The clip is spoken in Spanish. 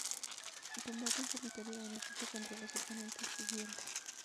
Combate en solitario o en equipo contra los oponentes que quieras.